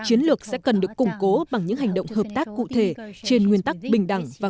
rằng quốc gia sẽ cần được củng cố bằng những hành động hợp tác cụ thể trên nguyên tắc bình đẳng và